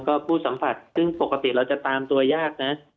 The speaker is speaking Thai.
ก็ผู้สัมผัสซึ่งปกติเราจะตามตัวยากนะ